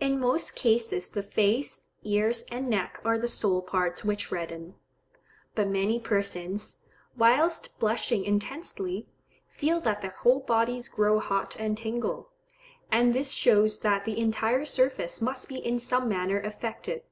In most cases the face, ears and neck are the sole parts which redden; but many persons, whilst blushing intensely, feel that their whole bodies grow hot and tingle; and this shows that the entire surface must be in some manner affected.